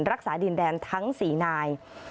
รักษาดินแดนทั้ง๔นาย